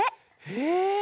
へえ！